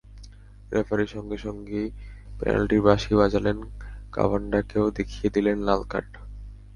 Referee সঙ্গে সঙ্গেই পেনাল্টির বাঁশি বাজালেন, কাভান্ডাকেও দেখিয়ে দিলেন লাল কার্ড।